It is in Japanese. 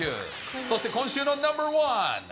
そして今週のナンバーワン。